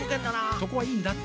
そこはいいんだって。